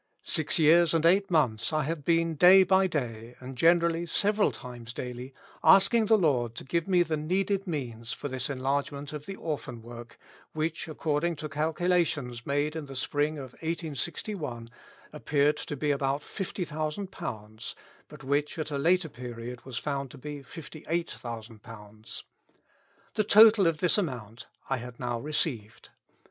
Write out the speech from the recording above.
Six years and eight months I have been day by day, and generally several times daily, asking the Lord to give me the needed means for this enlargement of the Orphan work, which, according to calculations made in the spring of 1861, appeared to be about fifty thousand pounds, but which at a later period was found to be about fifty eight thousand pounds : the total of this amount I had now received.